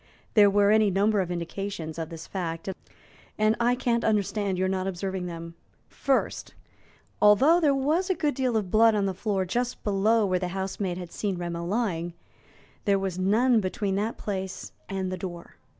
There were any number of indications of this fact, and I can't understand your not observing them. First, although there was a good deal of blood on the floor just below where the housemaid had seen Rameau lying, there was none between that place and the door.